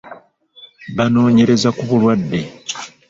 Banoonyereza ku bulwadde.